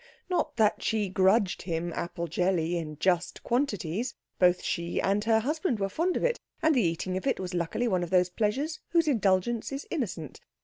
Not that she grudged him apple jelly in just quantities; both she and her husband were fond of it, and the eating of it was luckily one of those pleasures whose indulgence is innocent.